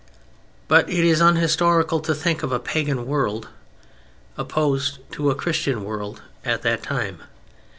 But it is unhistorical to think of a "Pagan" world opposed to a "Christian" world at that time.